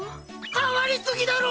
変わりすぎだろ！